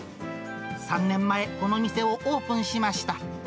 ３年前、この店をオープンしました。